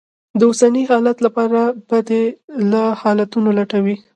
د اوسني حالت لپاره بدي ل حالتونه لټوي.